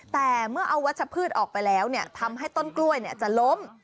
แต่เมื่อเอาวัชพืชออกไปแล้วทำให้ต้นกล้วยจะล้ม